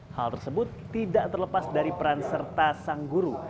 hal tersebut tidak terlepas dari peran serta sang guru